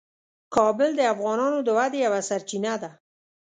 کابل د افغانانو د ودې یوه سرچینه ده.